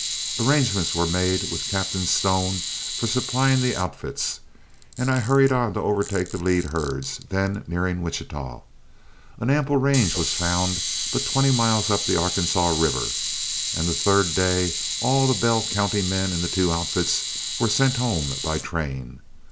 Arrangements were made with Captain Stone for supplying the outfits, and I hurried on to overtake the lead herds, then nearing Wichita. An ample range was found but twenty miles up the Arkansas River, and the third day all the Bell County men in the two outfits were sent home by train.